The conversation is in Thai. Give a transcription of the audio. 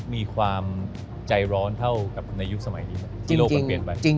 มีความใจร้อนเท่ากับในยุคสมัยนี้